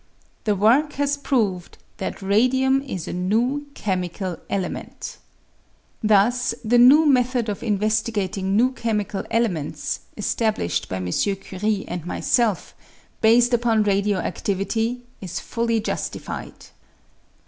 The work has proved that radium is a ncio chemical element. Thus the new method of investigating new chemical elements, established by M. Curie and myself, based upon radio adivity, is fully justified.